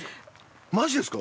マジですか？